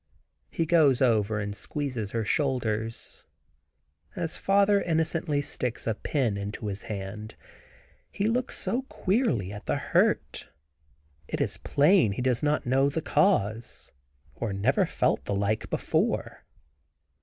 He goes over and squeezes her shoulders. As father innocently sticks a pin into his hand, he looks so queerly at the hurt, it is plain he does not know the cause, or never felt the like before.